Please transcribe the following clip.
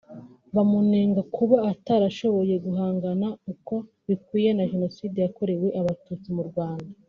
Bamunenga kuba atarashoboye guhangana uko bikwiye na Jenoside yakorewe abatutsi mu Rwanda